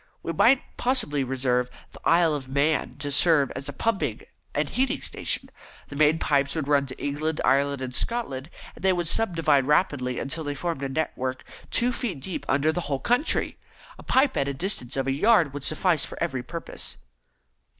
We might possibly reserve the Isle of Man to serve as a pumping and heating station. The main pipes would run to England, Ireland, and Scotland, where they would subdivide rapidly until they formed a network two feet deep under the whole country. A pipe at distances of a yard would suffice for every purpose."